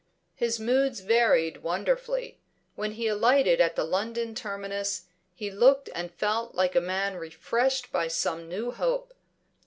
His moods varied wonderfully. When he alighted at the London terminus, he looked and felt like a man refreshed by some new hope.